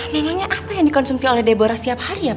namanya apa yang dikonsumsi oleh deborah setiap hari ya pak